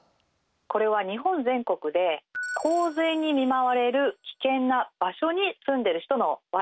これは日本全国で洪水に見舞われる危険な場所に住んでいる人の割合なんです。